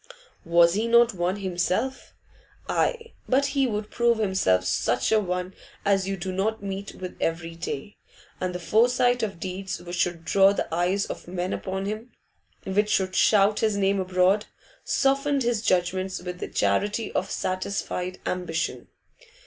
Was he not one himself? Aye, but he would prove himself such a one as you do not meet with every day; and the foresight of deeds which should draw the eyes of men upon him, which should shout his name abroad, softened his judgments with the charity of satisfied ambition.